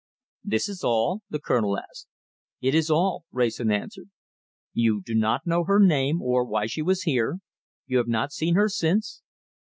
"This is all?" the Colonel asked. "It is all!" Wrayson answered. "You do not know her name, or why she was here? You have not seen her since?"